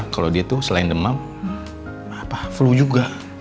kalau dia tuh selain demam flu juga